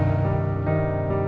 apa yang kamu lakukan